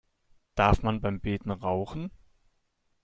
Darf man beim Beten rauchen?